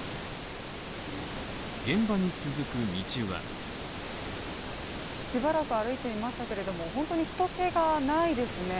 現場に続く道はしばらく歩いてみましたけれども本当に人けがないですね。